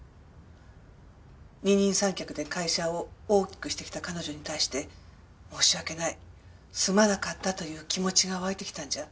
二人三脚で会社を大きくしてきた彼女に対して「申し訳ない」「すまなかった」という気持ちが湧いてきたんじゃ？